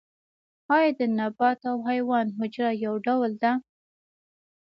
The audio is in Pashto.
ایا د نبات او حیوان حجره یو ډول ده